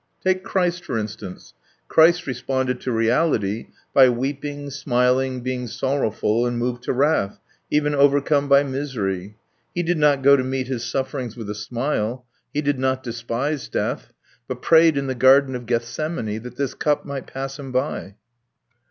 Take Christ, for instance: Christ responded to reality by weeping, smiling, being sorrowful and moved to wrath, even overcome by misery. He did not go to meet His sufferings with a smile, He did not despise death, but prayed in the Garden of Gethsemane that this cup might pass Him by."